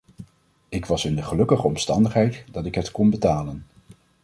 Ik was in de gelukkige omstandigheid dat ik het kon betalen.